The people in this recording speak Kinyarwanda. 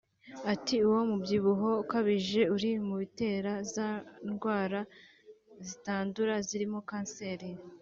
Ati “Uwo mubyibuho ukabije uri mu bitera za ndwara zitandura zirimo kanseri